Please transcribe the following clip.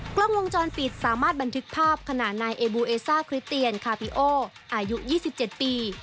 กล้องวงจรปิดสามารถบันทึกภาพขณะนายเอบูเอซ่าคริสเตียนคาปิโออายุ๒๗ปี